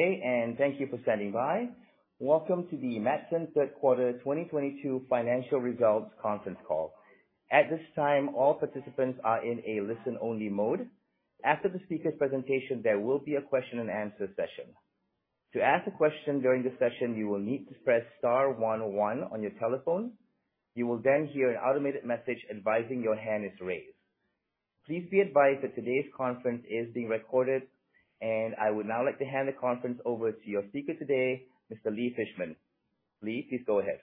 Okay, thank you for standing by. Welcome to the Matson Third Quarter 2022 Financial Results Conference Call. At this time, all participants are in a listen-only mode. After the speaker's presentation, there will be a question and answer session. To ask a question during the session, you will need to press star one on your telephone. You will then hear an automated message advising your hand is raised. Please be advised that today's conference is being recorded, and I would now like to hand the conference over to your speaker today, Mr. Lee Fishman. Lee, please go ahead.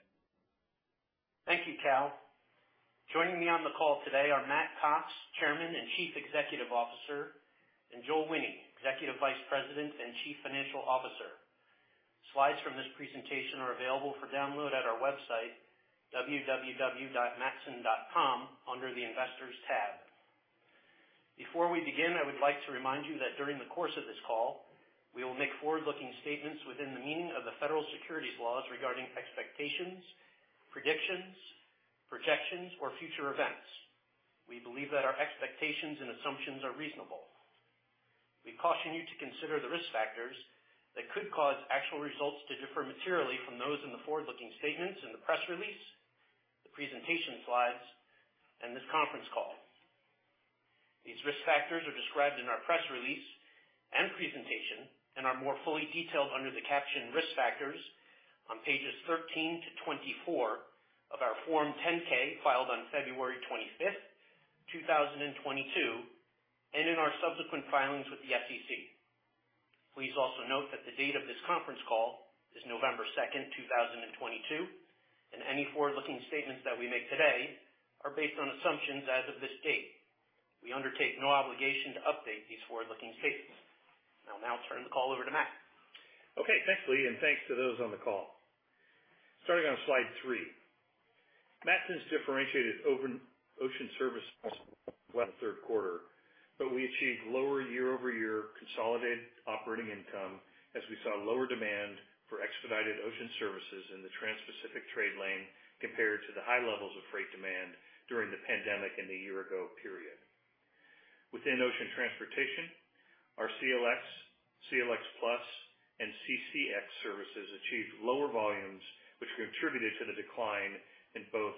Thank you, Cal. Joining me on the call today are Matt Cox, Chairman and Chief Executive Officer, and Joel Wine, Executive Vice President and Chief Financial Officer. Slides from this presentation are available for download at our website, www.matson.com, under the Investors tab. Before we begin, I would like to remind you that during the course of this call, we will make forward-looking statements within the meaning of the federal securities laws regarding expectations, predictions, projections, or future events. We believe that our expectations and assumptions are reasonable. We caution you to consider the risk factors that could cause actual results to differ materially from those in the forward-looking statements in the press release, the presentation slides, and this conference call. These risk factors are described in our press release and presentation and are more fully detailed under the caption Risk Factors on pages 13-24 of our Form 10-K, filed on February 25th, 2022, and in our subsequent filings with the SEC. Please also note that the date of this conference call is November 2nd, 2022, and any forward-looking statements that we make today are based on assumptions as of this date. We undertake no obligation to update these forward-looking statements. I'll now turn the call over to Matt. Okay. Thanks, Lee, and thanks to those on the call. Starting on slide three. Matson's differentiated open ocean services third quarter. We achieved lower YoY consolidated operating income as we saw lower demand for expedited ocean services in the Transpacific trade lane compared to the high levels of freight demand during the pandemic in the year-ago period. Within ocean transportation, our CLX+, and CCX services achieved lower volumes, which contributed to the decline in both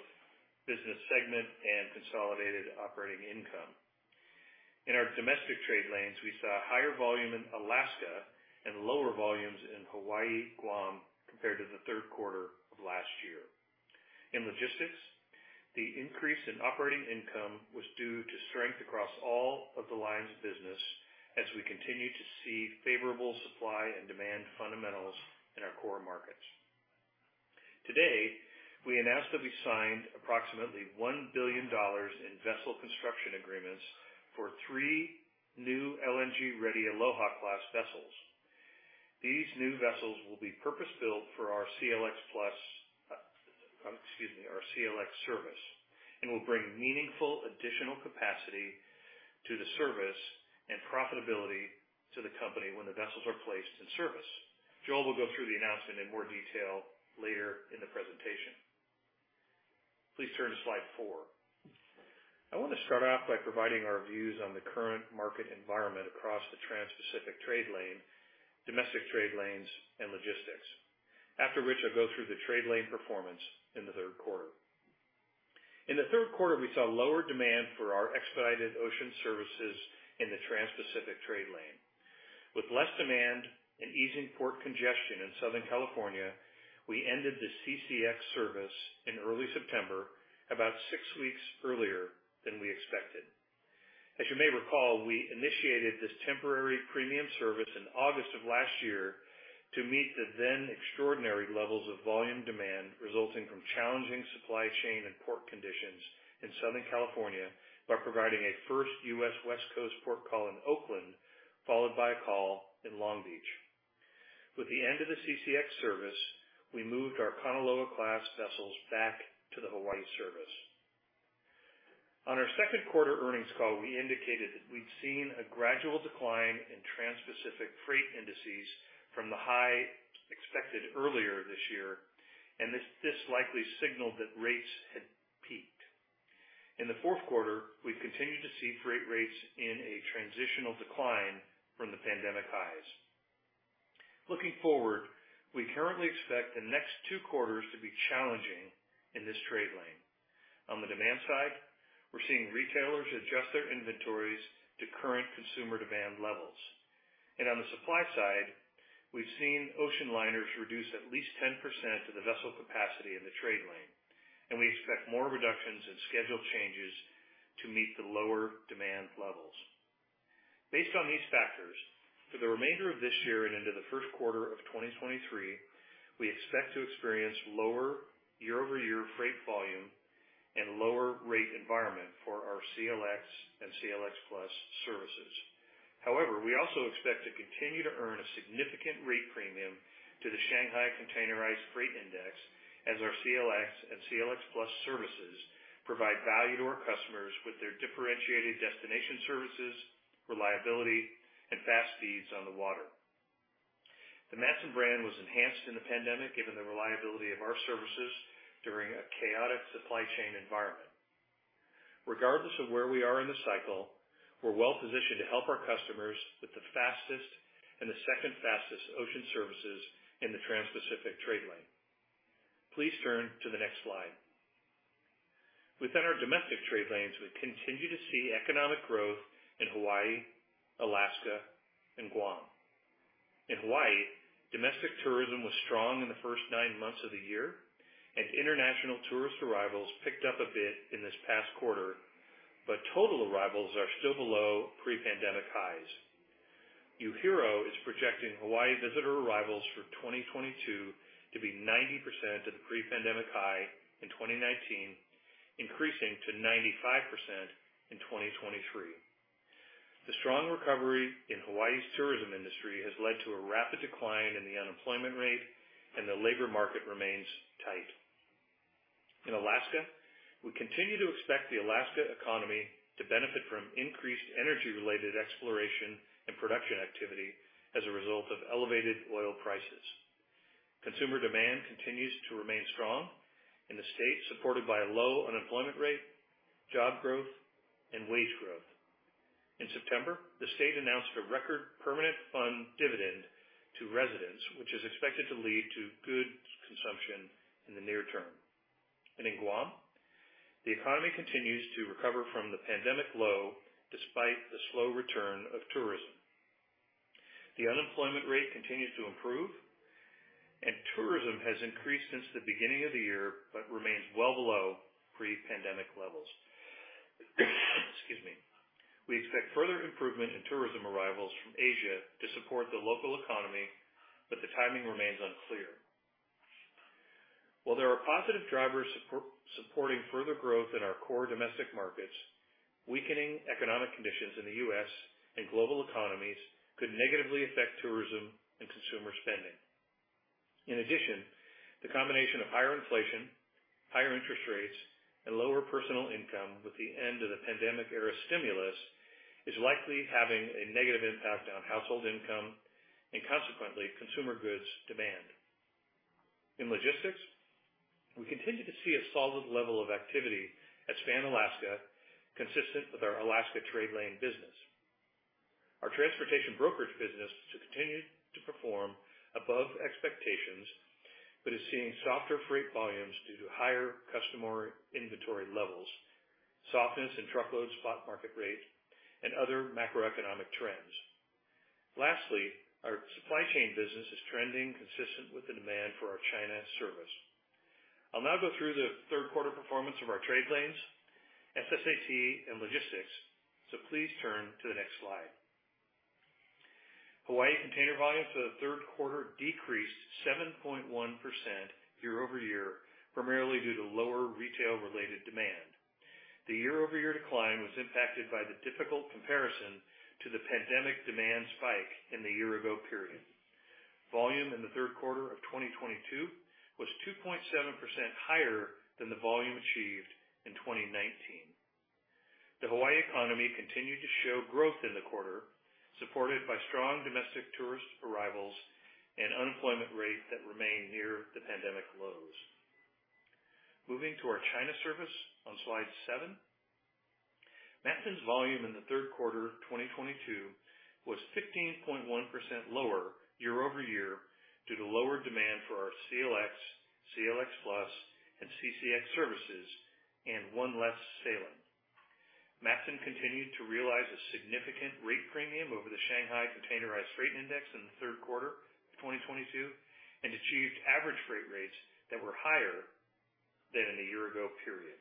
business segment and consolidated operating income. In our domestic trade lanes, we saw higher volume in Alaska and lower volumes in Hawaii, Guam, compared to the third quarter of last year. In logistics, the increase in operating income was due to strength across all of the lines of business as we continue to see favorable supply and demand fundamentals in our core markets. Today, we announced that we signed approximately $1 billion in vessel construction agreements for three new LNG-ready Aloha Class vessels. These new vessels will be purpose-built for our CLX+, excuse me, our CLX service, and will bring meaningful additional capacity to the service and profitability to the company when the vessels are placed in service. Joel will go through the announcement in more detail later in the presentation. Please turn to slide four. I want to start off by providing our views on the current market environment across the Transpacific trade lane, domestic trade lanes, and logistics. After which, I'll go through the trade lane performance in the third quarter. In the third quarter, we saw lower demand for our expedited ocean services in the Transpacific trade lane. With less demand and easing port congestion in Southern California, we ended the CCX service in early September, about six weeks earlier than we expected. As you may recall, we initiated this temporary premium service in August of last year to meet the then extraordinary levels of volume demand resulting from challenging supply chain and port conditions in Southern California by providing a first U.S. West Coast port call in Oakland, followed by a call in Long Beach. With the end of the CCX service, we moved our Kanaloa Class vessels back to the Hawaii service. On our second quarter earnings call, we indicated that we'd seen a gradual decline in Transpacific freight indices from the high expected earlier this year, and this likely signaled that rates had peaked. In the fourth quarter, we've continued to see freight rates in a transitional decline from the pandemic highs. Looking forward, we currently expect the next two quarters to be challenging in this trade lane. On the demand side, we're seeing retailers adjust their inventories to current consumer demand levels. On the supply side, we've seen ocean liners reduce at least 10% of the vessel capacity in the trade lane, and we expect more reductions and schedule changes to meet the lower demand levels. Based on these factors, for the remainder of this year and into the first quarter of 2023, we expect to experience lower YoY freight volume and lower rate environment for our CLX and CLX+ services. However, we also expect to continue to earn a significant rate premium to the Shanghai Containerized Freight Index as our CLX and CLX+ services provide value to our customers with their differentiated destination services, reliability, and fast speeds on the water. The Matson brand was enhanced in the pandemic given the reliability of our services during a chaotic supply chain environment. Regardless of where we are in the cycle, we're well-positioned to help our customers with the fastest and the second fastest ocean services in the transpacific trade lane. Please turn to the next slide. Within our domestic trade lanes, we continue to see economic growth in Hawaii, Alaska, and Guam. In Hawaii, domestic tourism was strong in the first nine months of the year, and international tourist arrivals picked up a bit in this past quarter, but total arrivals are still below pre-pandemic highs. UHERO is projecting Hawaii visitor arrivals for 2022 to be 90% of the pre-pandemic high in 2019, increasing to 95% in 2023. The strong recovery in Hawaii's tourism industry has led to a rapid decline in the unemployment rate, and the labor market remains tight. In Alaska, we continue to expect the Alaska economy to benefit from increased energy-related exploration and production activity as a result of elevated oil prices. Consumer demand continues to remain strong in the state, supported by a low unemployment rate, job growth, and wage growth. In September, the state announced a record Permanent Fund Dividend to residents, which is expected to lead to good consumption in the near term. In Guam, the economy continues to recover from the pandemic low despite the slow return of tourism. The unemployment rate continues to improve, and tourism has increased since the beginning of the year, but remains well below pre-pandemic levels. Excuse me. We expect further improvement in tourism arrivals from Asia to support the local economy, but the timing remains unclear. While there are positive drivers supporting further growth in our core domestic markets, weakening economic conditions in the U.S. and global economies could negatively affect tourism and consumer spending. In addition, the combination of higher inflation, higher interest rates, and lower personal income with the end of the pandemic-era stimulus is likely having a negative impact on household income and consequently, consumer goods demand. In logistics, we continue to see a solid level of activity at Span Alaska, consistent with our Alaska trade lane business. Our transportation brokerage business has continued to perform above expectations, but is seeing softer freight volumes due to higher customer inventory levels, softness in truckload spot market rate, and other macroeconomic trends. Lastly, our supply chain business is trending consistent with the demand for our China service. I'll now go through the third quarter performance of our trade lanes, SSAT, and logistics. Please turn to the next slide. Hawaii container volumes for the third quarter decreased 7.1% YoY, primarily due to lower retail-related demand. The YoY decline was impacted by the difficult comparison to the pandemic demand spike in the year ago period. Volume in the third quarter of 2022 was 2.7% higher than the volume achieved in 2019. The Hawaii economy continued to show growth in the quarter, supported by strong domestic tourist arrivals and unemployment rate that remained near the pandemic lows. Moving to our China service on slide seven. Matson's volume in the third quarter of 2022 was 15.1% lower YoY due to lower demand for our CLX+, and CCX services and one less sailing. Matson continued to realize a significant rate premium over the Shanghai Containerized Freight Index in the third quarter of 2022 and achieved average rates that were higher than in the year-ago period.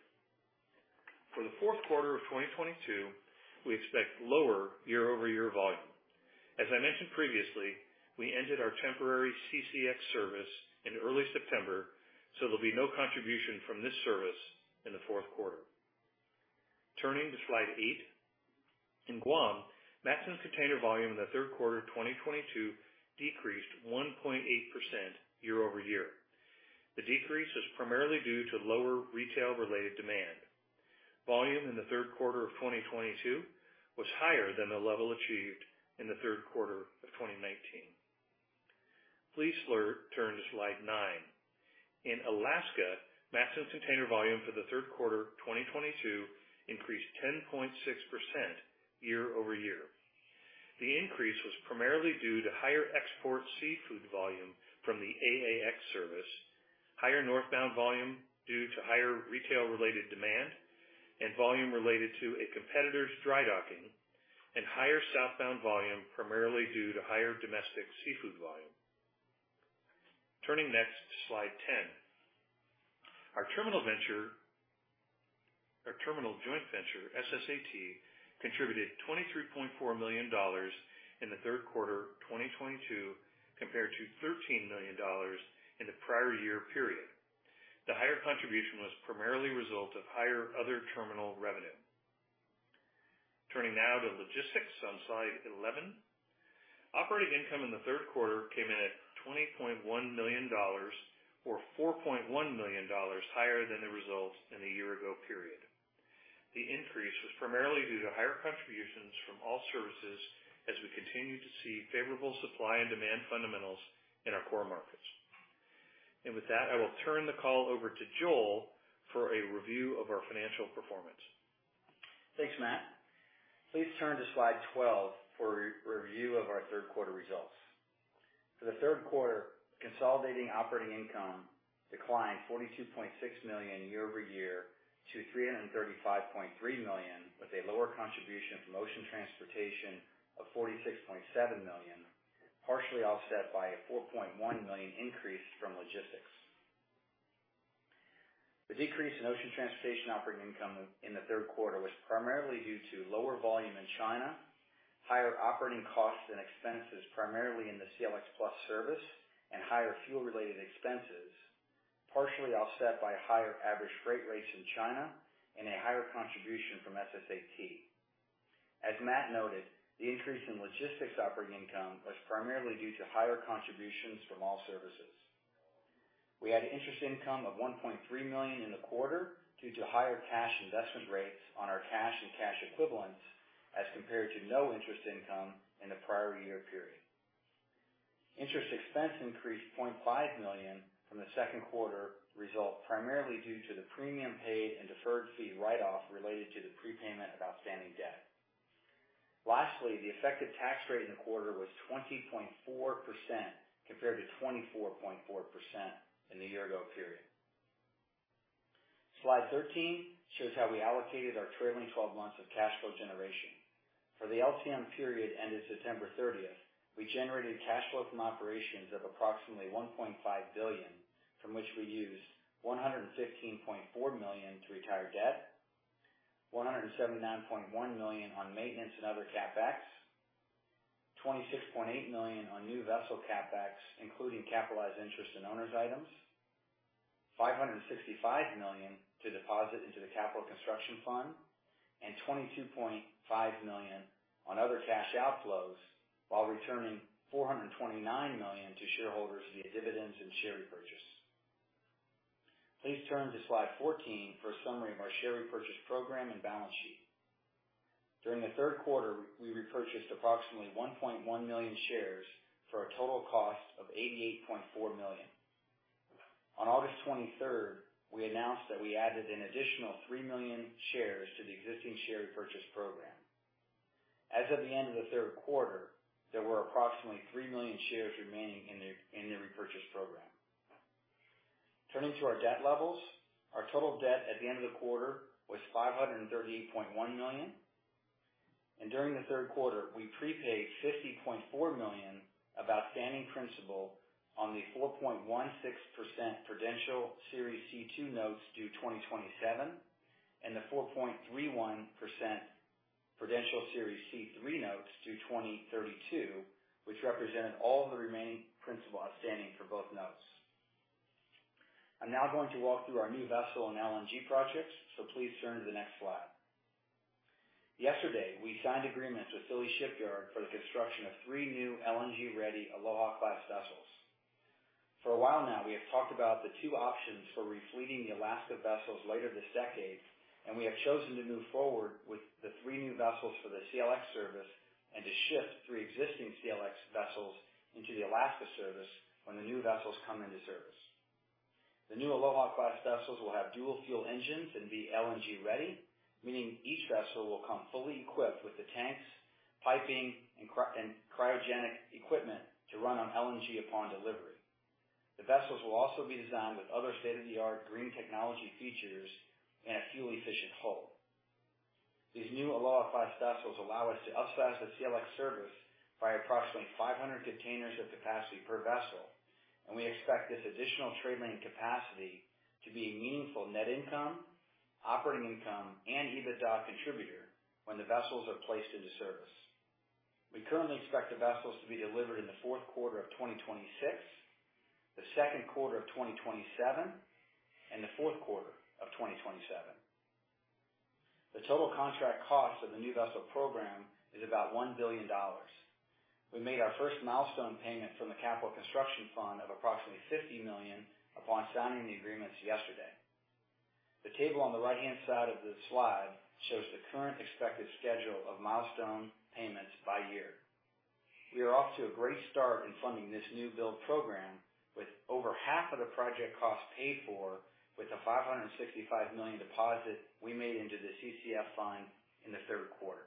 For the fourth quarter of 2022, we expect lower YoY volume. As I mentioned previously, we ended our temporary CCX service in early September, so there'll be no contribution from this service in the fourth quarter. Turning to slide eight. In Guam, Matson's container volume in the third quarter of 2022 decreased 1.8% YoY. The decrease was primarily due to lower retail-related demand. Volume in the third quarter of 2022 was higher than the level achieved in the third quarter of 2019. Please turn to slide nine. In Alaska, Matson's container volume for the third quarter of 2022 increased 10.6% YoY. The increase was primarily due to higher export seafood volume from the AAX service, higher northbound volume due to higher retail-related demand and volume related to a competitor's dry docking, and higher southbound volume primarily due to higher domestic seafood volume. Turning next to slide ten. Our terminal joint venture, SSAT, contributed $23.4 million in the third quarter of 2022 compared to $13 million in the prior year period. The higher contribution was primarily a result of higher other terminal revenue. Turning now to logistics on slide eleven. Operating income in the third quarter came in at $20.1 million or $4.1 million higher than the results in the year ago period. The increase was primarily due to higher contributions from all services as we continue to see favorable supply and demand fundamentals in our core markets. With that, I will turn the call over to Joel for a review of our financial performance. Thanks, Matt. Please turn to slide 12 for review of our third quarter results. For the third quarter, consolidated operating income declined $42.6 million YoY to $335.3 million, with a lower contribution from ocean transportation of $46.7 million, partially offset by a $4.1 million increase from logistics. The decrease in ocean transportation operating income in the third quarter was primarily due to lower volume in China, higher operating costs and expenses, primarily in the CLX+ service and higher fuel related expenses, partially offset by a higher average freight rates in China and a higher contribution from SSAT. As Matt noted, the increase in logistics operating income was primarily due to higher contributions from all services. We had interest income of $1.3 million in the quarter due to higher cash investment rates on our cash and cash equivalents as compared to no interest income in the prior year period. Interest expense increased $0.5 million from the second quarter result, primarily due to the premium paid and deferred fee write-off related to the prepayment of outstanding debt. Lastly, the effective tax rate in the quarter was 20.4% compared to 24.4% in the year ago period. Slide 13 shows how we allocated our trailing 12 months of cash flow generation. For the LTM period ended September 30th, we generated cash flow from operations of approximately $1.5 billion, from which we used $116.4 million to retire debt, $179.1 million on maintenance and other CapEx, $26.8 million on new vessel CapEx, including capitalized interest and owners items, $565 million to deposit into the Capital Construction Fund, and $22.5 million on other cash outflows while returning $429 million to shareholders via dividends and share repurchase. Please turn to slide 14 for a summary of our share repurchase program and balance sheet. During the third quarter, we repurchased approximately 1.1 million shares for a total cost of $88.4 million. On August 23rd, we announced that we added an additional 3 million shares to the existing share repurchase program. As of the end of the third quarter, there were approximately 3 million shares remaining in the repurchase program. Turning to our debt levels. Our total debt at the end of the quarter was $538.1 million. During the third quarter, we prepaid $50.4 million of outstanding principal on the 4.16% Prudential Series C-2 notes due 2027, and the 4.31% Prudential Series C-3 notes due 2032, which represented all the remaining principal outstanding for both notes. I'm now going to walk through our new vessel and LNG projects, so please turn to the next slide. Yesterday, we signed agreements with Philly Shipyard for the construction of three new LNG-ready Aloha Class vessels. For a while now, we have talked about the two options for re-fleeting the Alaska vessels later this decade, and we have chosen to move forward with the three new vessels for the CLX service and to shift three existing CLX vessels into the Alaska service when the new vessels come into service. The new Aloha Class vessels will have dual-fuel engines and be LNG ready, meaning each vessel will come fully equipped with the tanks, piping, and cryogenic equipment to run on LNG upon delivery. The vessels will also be designed with other state-of-the-art green technology features and a fuel-efficient hull. These new Aloha Class vessels allow us to upsize the CLX service by approximately 500 containers of capacity per vessel, and we expect this additional trade lane capacity to be a meaningful net income, operating income, and EBITDA contributor when the vessels are placed into service. We currently expect the vessels to be delivered in the fourth quarter of 2026, the second quarter of 2027, and the fourth quarter of 2027. The total contract cost of the new vessel program is about $1 billion. We made our first milestone payment from the Capital Construction Fund of approximately $50 million upon signing the agreements yesterday. The table on the right-hand side of the slide shows the current expected schedule of milestone payments by year. We are off to a great start in funding this new build program with over half of the project cost paid for with the $565 million deposit we made into the CCF fund in the third quarter.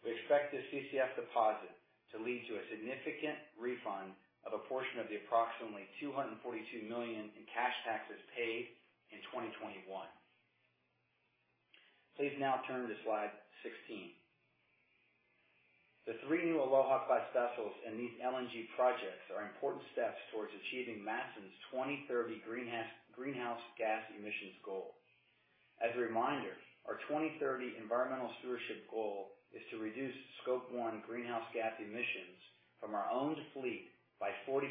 We expect the CCF deposit to lead to a significant refund of a portion of the approximately $242 million in cash taxes paid in 2021. Please now turn to slide 16. The three new Aloha Class vessels and these LNG projects are important steps towards achieving Matson's 2030 greenhouse gas emissions goal. As a reminder, our 2030 environmental stewardship goal is to reduce Scope 1 greenhouse gas emissions from our owned fleet by 40%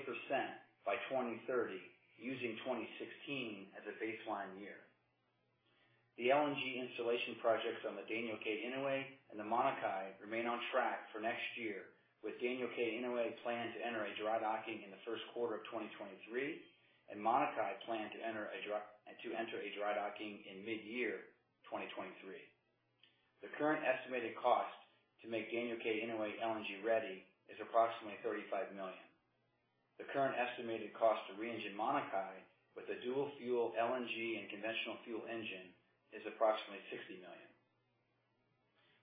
by 2030, using 2016 as a baseline year. The LNG installation projects on the Daniel K. Inouye and the Maunakea remain on track for next year, with Daniel K. Inouye planned to enter a dry docking in the first quarter of 2023, and Maunakea planned to enter a dry docking in mid-year 2023. The current estimated cost to make Daniel K. Inouye LNG-ready is approximately $35 million. The current estimated cost to re-engine Maunakea with a dual-fuel LNG and conventional fuel engine is approximately $60 million.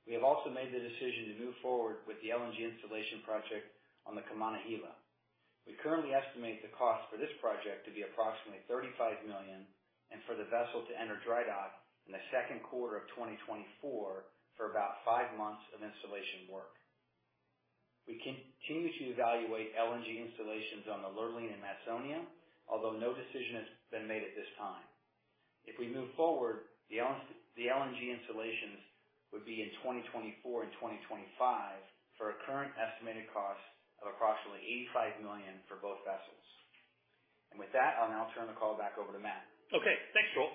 We have also made the decision to move forward with the LNG installation project on the Kaimana Hila. We currently estimate the cost for this project to be approximately $35 million and for the vessel to enter dry dock in the second quarter of 2024 for about five months of installation work. We continue to evaluate LNG installations on the Lurline and Matsonia, although no decision has been made at this time. If we move forward, the LNG installations would be in 2024 and 2025 for a current estimated cost of approximately $85 million for both vessels. With that, I'll now turn the call back over to Matt. Okay. Thanks, Joel.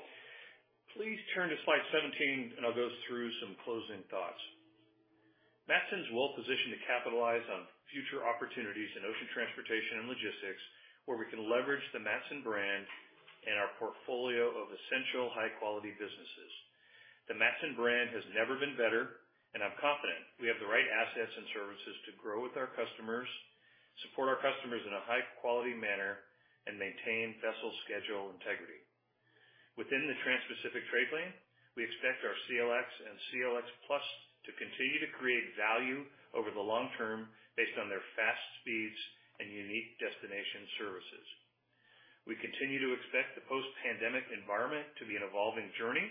Please turn to slide 17, and I'll go through some closing thoughts. Matson's well-positioned to capitalize on future opportunities in ocean transportation and logistics, where we can leverage the Matson brand and our portfolio of essential high quality businesses. The Matson brand has never been better, and I'm confident we have the right assets and services to grow with our customers, support our customers in a high quality manner, and maintain vessel schedule integrity. Within the Transpacific trade lane, we expect our CLX and CLX+ to continue to create value over the long term based on their fast speeds and unique destination services. We continue to expect the post-pandemic environment to be an evolving journey,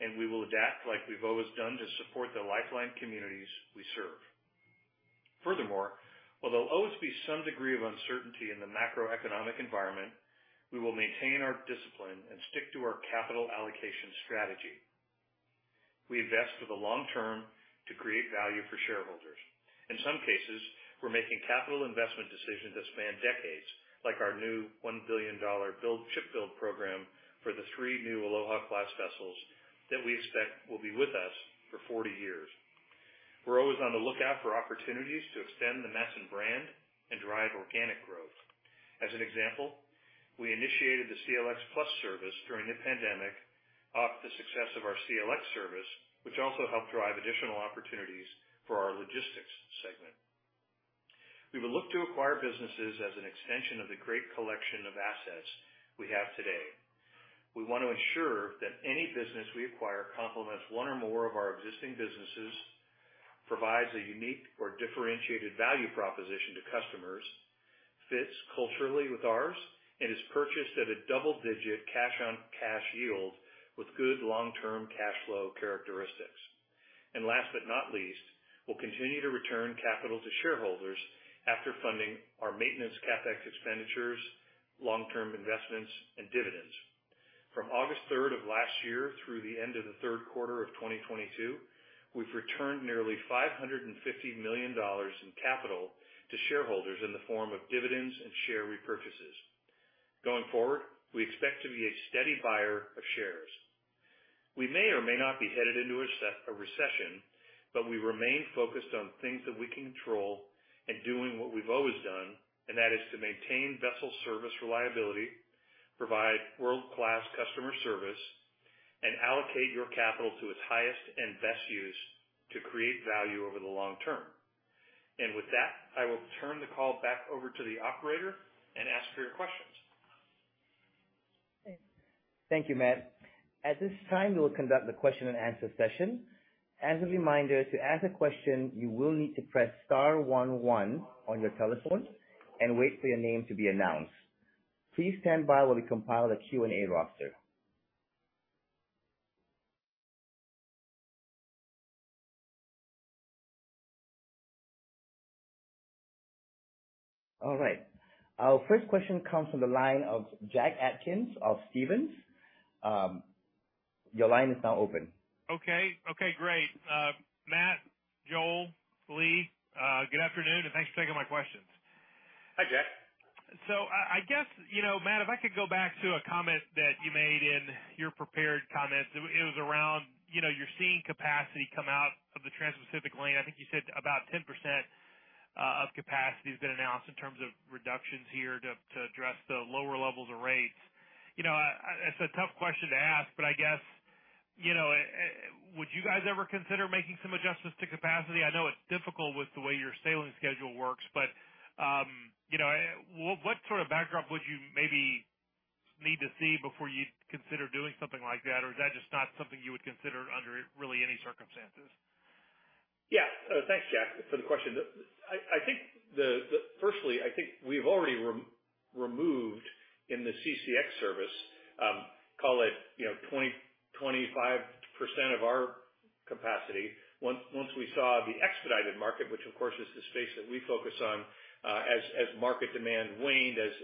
and we will adapt like we've always done to support the lifeline communities we serve. Furthermore, while there'll always be some degree of uncertainty in the macroeconomic environment, we will maintain our discipline and stick to our capital allocation strategy. We invest for the long term to create value for shareholders. In some cases, we're making capital investment decisions that span decades, like our new $1 billion build ship build program for the three new Aloha Class vessels that we expect will be with us for 40 years. We're always on the lookout for opportunities to extend the Matson brand and drive organic growth. As an example, we initiated the CLX+ service during the pandemic off the success of our CLX service, which also helped drive additional opportunities for our logistics segment. We will look to acquire businesses as an extension of the great collection of assets we have today. We want to ensure that any business we acquire complements one or more of our existing businesses, provides a unique or differentiated value proposition to customers, fits culturally with ours, and is purchased at a double-digit cash-on-cash yield with good long-term cash flow characteristics. Last but not least, we'll continue to return capital to shareholders after funding our maintenance CapEx expenditures, long-term investments, and dividends. From August 3rd of last year through the end of the third quarter of 2022, we've returned nearly $550 million in capital to shareholders in the form of dividends and share repurchases. Going forward, we expect to be a steady buyer of shares. We may or may not be headed into a recession, but we remain focused on things that we control and doing what we've always done, and that is to maintain vessel service reliability, provide world-class customer service, and allocate your capital to its highest and best use to create value over the long term. With that, I will turn the call back over to the operator and ask for your questions. Thank you, Matt. At this time, we will conduct the question and answer session. As a reminder, to ask a question, you will need to press star one one on your telephone and wait for your name to be announced. Please stand by while we compile a Q&A roster. All right. Our first question comes from the line of Jack Atkins of Stephens. Your line is now open. Okay. Okay, great. Matt, Joel, Lee, good afternoon, and thanks for taking my questions. Hi, Jack. I guess, you know, Matt, if I could go back to a comment that you made in your prepared comments, it was around, you know, you're seeing capacity come out of the Transpacific Lane. I think you said about 10% of capacity has been announced in terms of reductions here to address the lower levels of rates. You know, it's a tough question to ask, but I guess, you know, would you guys ever consider making some adjustments to capacity? I know it's difficult with the way your sailing schedule works, but, you know, what sort of backdrop would you maybe need to see before you'd consider doing something like that? Or is that just not something you would consider under really any circumstances? Yeah. Thanks, Jack, for the question. I think firstly we've already removed in the CCX service, call it, 25% of our capacity. Once we saw the expedited market, which of course is the space that we focus on, as market demand waned, as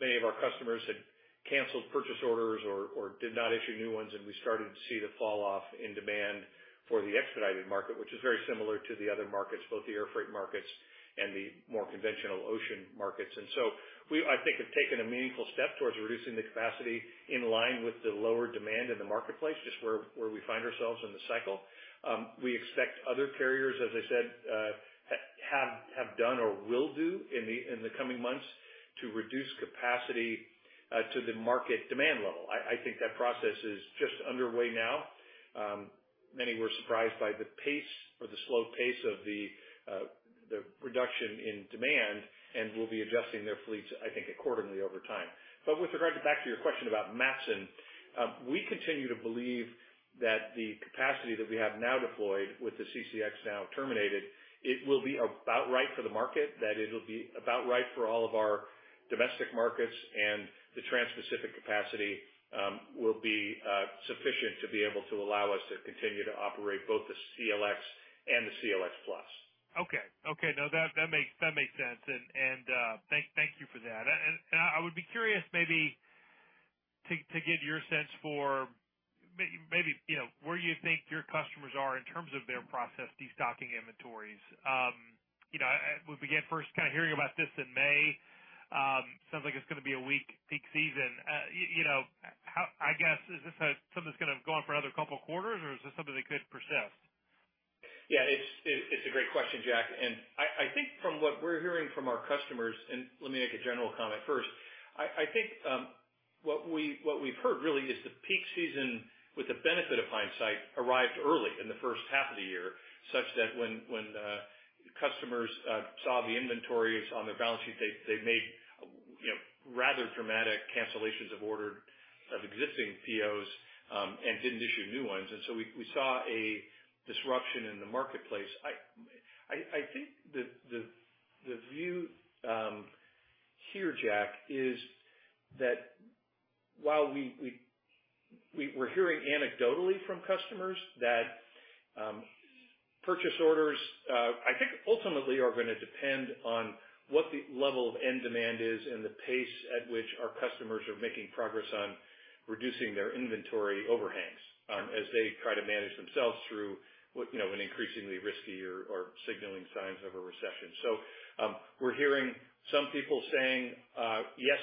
many of our customers had canceled purchase orders or did not issue new ones, and we started to see the fall off in demand for the expedited market, which is very similar to the other markets, both the airfreight markets and the more conventional ocean markets. We, I think, have taken a meaningful step towards reducing the capacity in line with the lower demand in the marketplace, just where we find ourselves in the cycle. We expect other carriers, as I said, have done or will do in the coming months to reduce capacity to the market demand level. I think that process is just underway now. Many were surprised by the pace or the slow pace of the reduction in demand and will be adjusting their fleets, I think, accordingly over time. With regard to back to your question about Matson, we continue to believe that the capacity that we have now deployed with the CCX now terminated, it will be about right for the market, that it'll be about right for all of our domestic markets and the Transpacific capacity will be sufficient to be able to allow us to continue to operate both the CLX and the CLX+. Okay. No, that makes sense. Thank you for that. I would be curious maybe to get your sense for maybe, you know, where you think your customers are in terms of their progress destocking inventories. You know, we first began kind of hearing about this in May. Sounds like it's gonna be a weak peak season. You know, I guess, is this something that's gonna go on for another couple of quarters, or is this something that could persist? Yeah, it's a great question, Jack. I think from what we're hearing from our customers, and let me make a general comment first. I think what we've heard really is the peak season with the benefit of hindsight arrived early in the first half of the year, such that when customers saw the inventories on their balance sheet, they made, you know, rather dramatic cancellations of orders for existing POs and didn't issue new ones. We saw a disruption in the marketplace. I think the view here, Jack, is that while we're hearing anecdotally from customers that purchase orders I think ultimately are gonna depend on what the level of end demand is and the pace at which our customers are making progress on reducing their inventory overhangs, as they try to manage themselves through you know an increasingly risky or signaling signs of a recession. We're hearing some people saying yes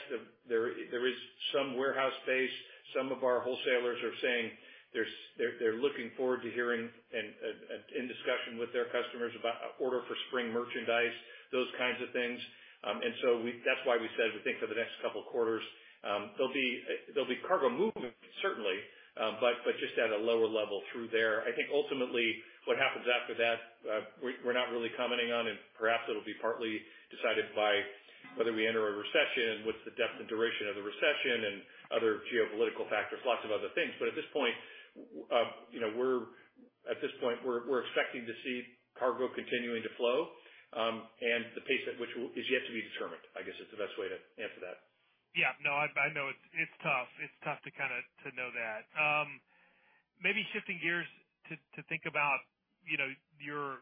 there is some warehouse space. Some of our wholesalers are saying they're looking forward to hearing and in discussion with their customers about orders for spring merchandise, those kinds of things. That's why we said, we think for the next couple of quarters, there'll be cargo movement, certainly, but just at a lower level through there. I think ultimately what happens after that, we're not really commenting on, and perhaps it'll be partly decided by whether we enter a recession, what's the depth and duration of the recession and other geopolitical factors, lots of other things. At this point, you know, at this point, we're expecting to see cargo continuing to flow, and the pace at which is yet to be determined, I guess, is the best way to answer that. Yeah. No, I know it's tough. It's tough to kinda know that. Maybe shifting gears to think about, you know, your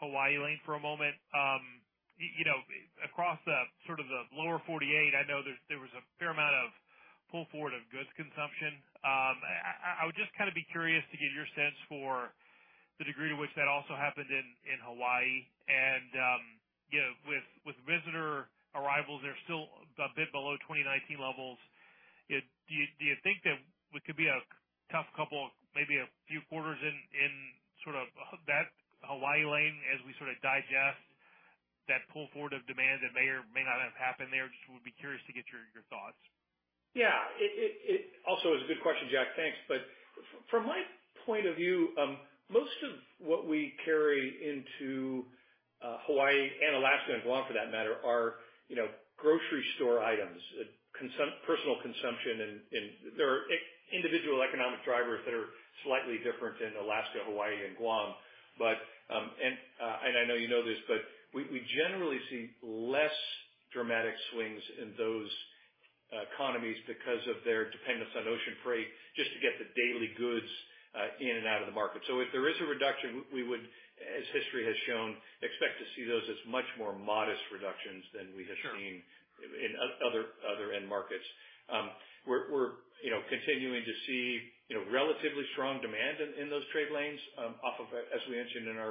Hawaii lane for a moment. You know, across sort of the lower 48, I know there was a fair amount of pull forward of goods consumption. I would just kind of be curious to get your sense for the degree to which that also happened in Hawaii. You know, with visitor arrivals, they're still a bit below 2019 levels. Do you think that it could be a tough couple, maybe a few quarters in sort of that Hawaii lane as we sort of digest that pull forward of demand that may or may not have happened there? Just would be curious to get your thoughts. Yeah. It also is a good question, Jack, thanks. From my point of view, most of what we carry into Hawaii and Alaska and Guam, for that matter, are, you know, grocery store items, personal consumption. There are individual economic drivers that are slightly different in Alaska, Hawaii, and Guam. I know you know this, but we generally see less dramatic swings in those economies because of their dependence on ocean freight just to get the daily goods in and out of the market. If there is a reduction, we would, as history has shown, expect to see those as much more modest reductions than we have seen. Sure. In other end markets. We're you know continuing to see you know relatively strong demand in those trade lanes off of a as we mentioned in my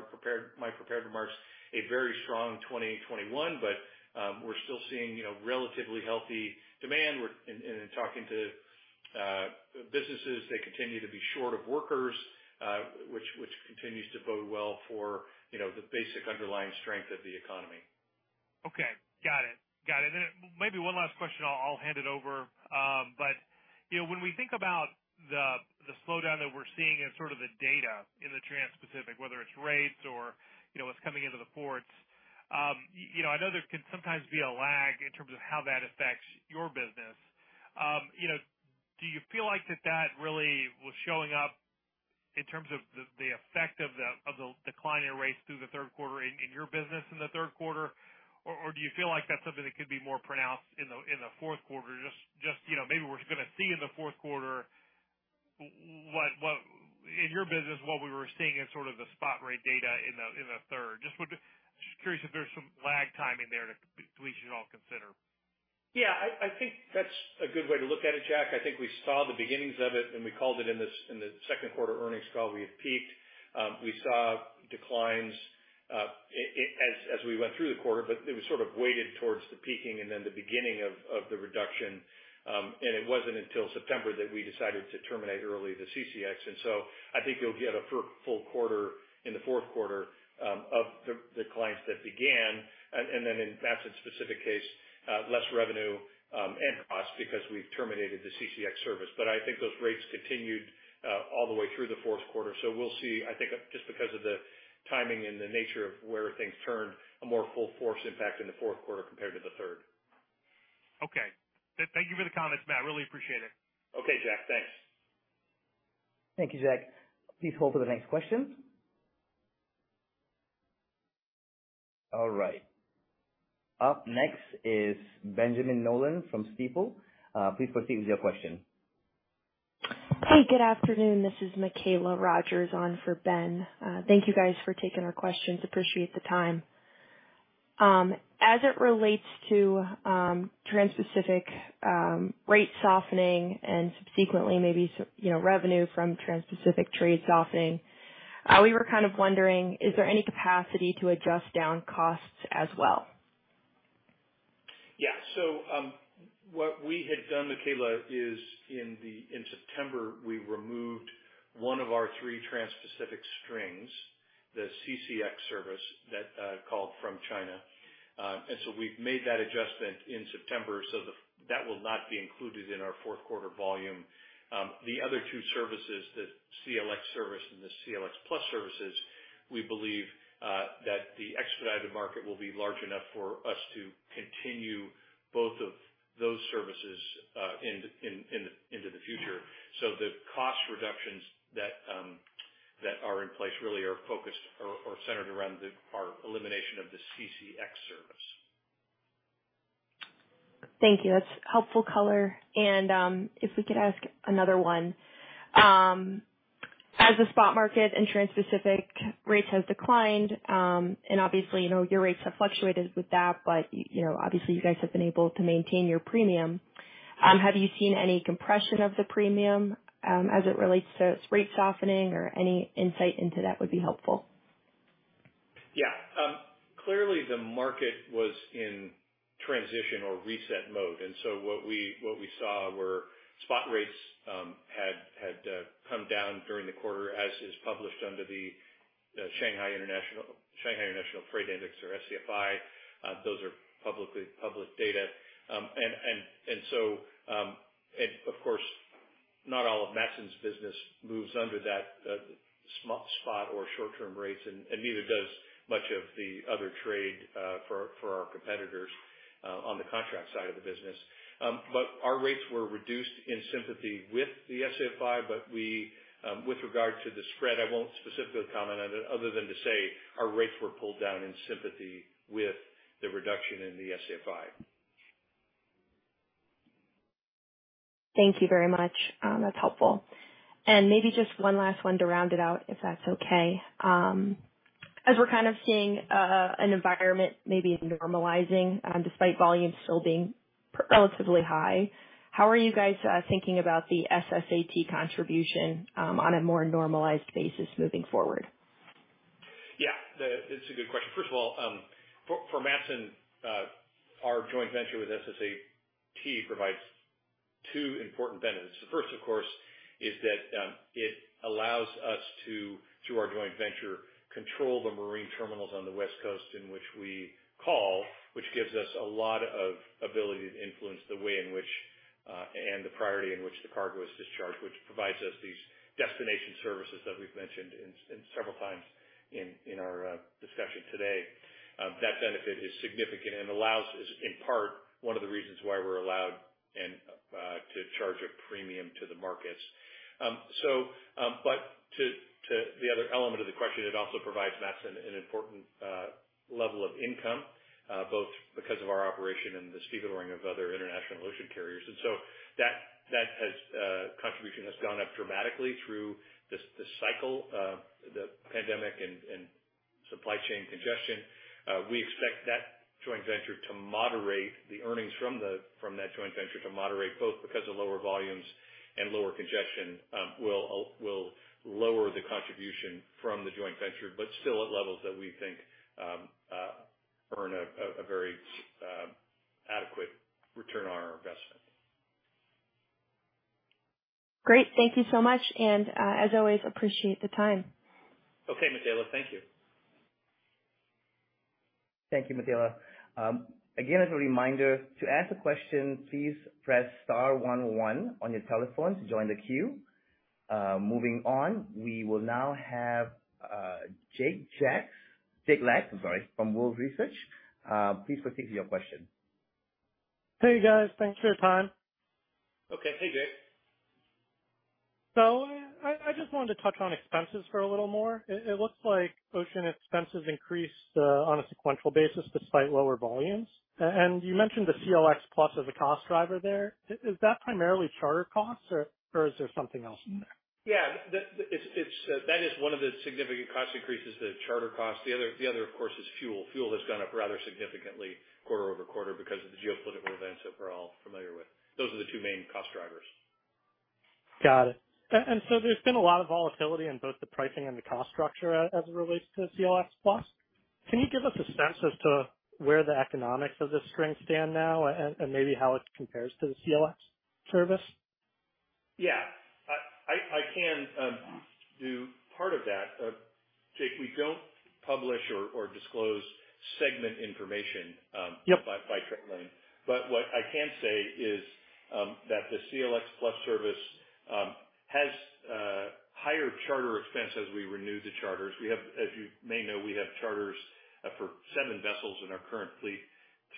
prepared remarks a very strong 2021. We're still seeing you know relatively healthy demand. In talking to businesses they continue to be short of workers which continues to bode well for you know the basic underlying strength of the economy. Okay. Got it. Maybe one last question, I'll hand it over. You know, when we think about the slowdown that we're seeing as sort of the data in the Transpacific, whether it's rates or, you know, what's coming into the ports, you know, I know there can sometimes be a lag in terms of how that affects your business. You know, do you feel like that really was showing up in terms of the effect of the decline in rates through the third quarter in your business in the third quarter, or do you feel like that's something that could be more pronounced in the fourth quarter? Just you know, maybe we're just gonna see in the fourth quarter what in your business, what we were seeing as sort of the spot rate data in the third. Just curious if there's some lag time in there that we should all consider. Yeah. I think that's a good way to look at it, Jack. I think we saw the beginnings of it, and we called it in the second quarter earnings call, we have peaked. We saw declines as we went through the quarter, but it was sort of weighted towards the peaking and then the beginning of the reduction. It wasn't until September that we decided to terminate early the CCX. I think you'll get a full quarter in the fourth quarter of the clients that began. Then in Matson's specific case, less revenue and cost because we've terminated the CCX service. I think those rates continued all the way through the fourth quarter. We'll see, I think, just because of the timing and the nature of where things turn, a more full force impact in the fourth quarter compared to the third. Okay. Thank you for the comments, Matt. Really appreciate it. Okay, Jack. Thanks. Thank you, Jack. Please hold for the next question. All right. Up next is Benjamin Nolan from Stifel. Please proceed with your question. Hey, good afternoon. This is Mikaela Rogers on for Ben. Thank you guys for taking our questions. Appreciate the time. As it relates to transpacific rate softening and subsequently maybe you know, revenue from transpacific trade softening, we were kind of wondering, is there any capacity to adjust down costs as well? Yeah. What we had done, Mikaela, is in September, we removed one of our three transpacific strings, the CCX service that called from China. We've made that adjustment in September, so that will not be included in our fourth quarter volume. The other two services, the CLX service and the CLX+ services, we believe that the expedited market will be large enough for us to continue both of those services into the future. The cost reductions that are in place really are focused or centered around our elimination of the CCX service. Thank you. That's helpful color. If we could ask another one. As the spot market and transpacific rates has declined, and obviously, you know, your rates have fluctuated with that, but you know, obviously you guys have been able to maintain your premium. Have you seen any compression of the premium, as it relates to rate softening or any insight into that would be helpful. Yeah. Clearly the market was in transition or reset mode, and so what we saw were spot rates had come down during the quarter, as is published under the Shanghai Containerized Freight Index or SCFI. Those are public data. Of course, not all of Matson's business moves under that spot or short-term rates, and neither does much of the other trade for our competitors on the contract side of the business. Our rates were reduced in sympathy with the SCFI. With regard to the spread, I won't specifically comment on it other than to say our rates were pulled down in sympathy with the reduction in the SCFI. Thank you very much. That's helpful. Maybe just one last one to round it out, if that's okay. As we're kind of seeing, an environment maybe normalizing, despite volumes still being relatively high, how are you guys thinking about the SSA contribution, on a more normalized basis moving forward? Yeah, it's a good question. First of all, for Matson, our joint venture with SSAT provides two important benefits. The first, of course, is that it allows us to, through our joint venture, control the marine terminals on the West Coast in which we call, which gives us a lot of ability to influence the way in which and the priority in which the cargo is discharged, which provides us these destination services that we've mentioned several times in our discussion today. That benefit is significant and allows us, in part, one of the reasons why we're allowed and to charge a premium to the markets. To the other element of the question, it also provides Matson an important level of income both because of our operation and the stevedoring of other international ocean carriers. That contribution has gone up dramatically through the cycle of the pandemic and supply chain congestion. We expect the earnings from that joint venture to moderate both because of lower volumes and lower congestion. That will lower the contribution from the joint venture, but still at levels that we think earn a very adequate return on our investment. Great. Thank you so much, and, as always, appreciate the time. Okay, Mikayla. Thank you. Thank you, Mikayla. Again, as a reminder, to ask a question, please press star one one on your telephone to join the queue. Moving on, we will now have Jake Lacks from Wolfe Research. Please proceed with your question. Hey, guys. Thanks for your time. Okay. Hey, Jake. I just wanted to touch on expenses for a little more. It looks like ocean expenses increased on a sequential basis despite lower volumes. You mentioned the CLX+ as a cost driver there. Is that primarily charter costs or is there something else in there? Yeah. That is one of the significant cost increases, the charter cost. The other, of course, is fuel. Fuel has gone up rather significantly QoQ because of the geopolitical events that we're all familiar with. Those are the two main cost drivers. Got it. There's been a lot of volatility in both the pricing and the cost structure as it relates to CLX+. Can you give us a sense as to where the economics of this strength stand now and maybe how it compares to the CLX service? Yeah. I can do part of that. Jake, we don't publish or disclose segment information. Yep By trade lane. What I can say is that the CLX+ service has higher charter expense as we renew the charters. We have, as you may know, charters for seven vessels in our current fleet.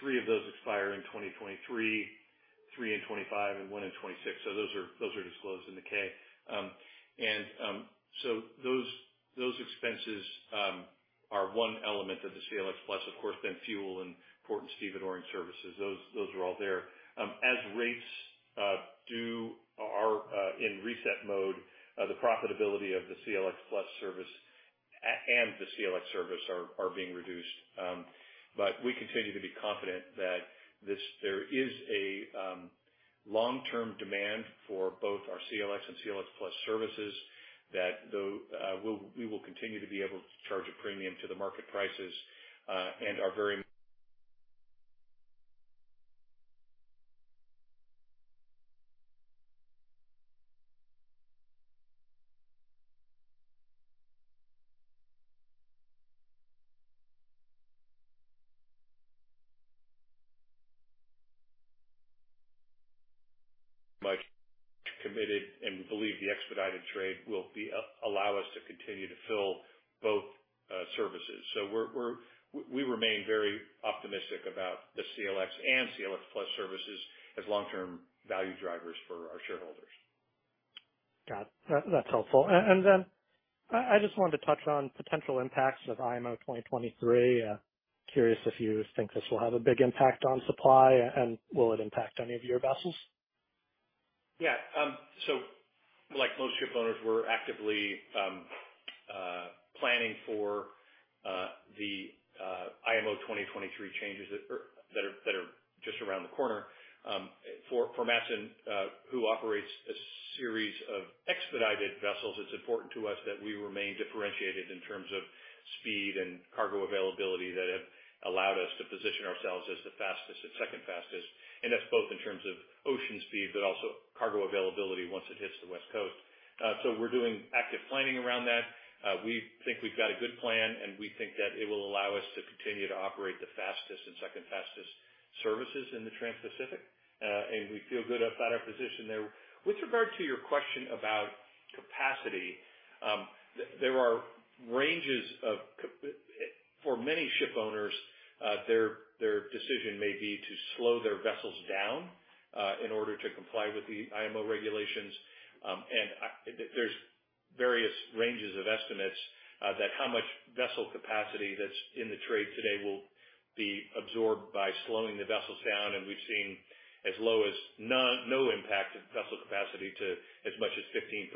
Three of those expire in 2023, three in 2025 and one in 2026. Those are disclosed in the K. Those expenses are one element of the CLX+. Of course, fuel and port and stevedoring services, those are all there. As rates are due or are in reset mode, the profitability of the CLX+ service and the CLX service are being reduced. We continue to be confident that there is a long-term demand for both our CLX and CLX+ services that we will continue to be able to charge a premium to the market prices, and are very committed and believe the expedited trade will allow us to continue to fill both services. We remain very optimistic about the CLX and CLX+ services as long-term value drivers for our shareholders. Got it. That’s helpful. I just wanted to touch on potential impacts of IMO 2023. Curious if you think this will have a big impact on supply and will it impact any of your vessels? Yeah. Like most shipowners, we're actively planning for the IMO 2023 changes that are just around the corner. For Matson, who operates a series of expedited vessels, it's important to us that we remain differentiated in terms of speed and cargo availability that have allowed us to position ourselves as the fastest and second fastest, and that's both in terms of ocean speed, but also cargo availability once it hits the West Coast. We're doing active planning around that. We think we've got a good plan, and we think that it will allow us to continue to operate the fastest and second fastest services in the Transpacific, and we feel good about our position there. With regard to your question about capacity, for many shipowners, their decision may be to slow their vessels down, in order to comply with the IMO regulations. There's various ranges of estimates as to how much vessel capacity that's in the trade today will be absorbed by slowing the vessels down. We've seen as low as none, no impact to vessel capacity to as much as 15%.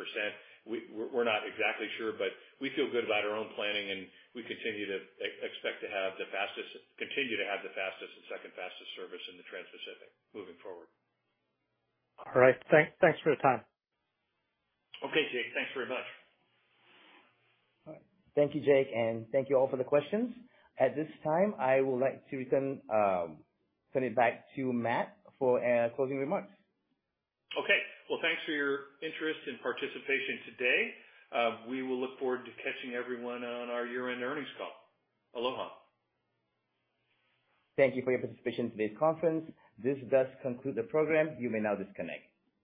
We're not exactly sure, but we feel good about our own planning, and we continue to expect to have the fastest and second fastest service in the Transpacific moving forward. All right. Thanks for the time. Okay, Jake. Thanks very much. All right. Thank you, Jake, and thank you all for the questions. At this time, I would like to send it back to Matt for closing remarks. Okay. Well, thanks for your interest and participation today. We will look forward to catching everyone on our year-end earnings call. Aloha. Thank you for your participation in today's conference. This does conclude the program. You may now disconnect.